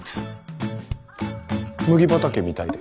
麦畑みたいで。